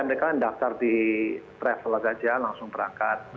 mereka kan daftar di travel aja langsung berangkat